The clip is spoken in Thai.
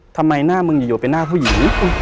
ทำไมหน้ามึงอยู่ไปหน้าผู้หญิง